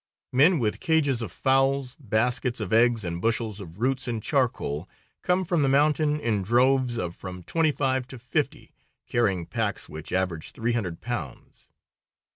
Men with cages of fowls, baskets of eggs and bushels of roots and charcoal, come from the mountain in droves of from twenty five to fifty, carrying packs which average three hundred pounds.